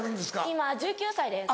今１９歳です。